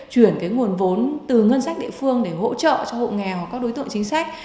chuyển cái nguồn vốn từ ngân sách địa phương để hỗ trợ cho hộ nghèo các đối tượng chính sách